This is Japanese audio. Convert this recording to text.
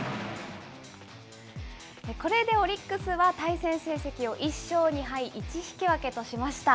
これでオリックスは対戦成績を１勝２敗１引き分けとしました。